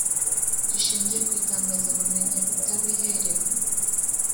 rishingiye ku itangazabumenyi utabiherewe